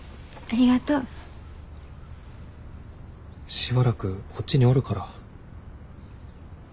しばらくこっちにおるから。